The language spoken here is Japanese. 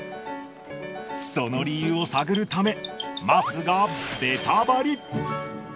その理由を探るため、桝がベタバリ。